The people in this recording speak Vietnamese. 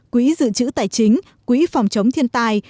quỹ dự trữ tài chính quỹ phòng chống thiên tai